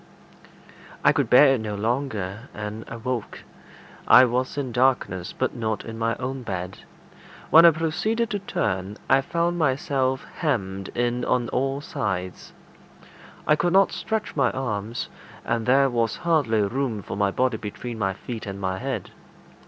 I could bear it no longer, and awoke. I was in darkness, but not in my own bed. When I proceeded to turn, I found myself hemmed in on all sides. I could not stretch my arms, and there was hardly room for my body between my feet and my head.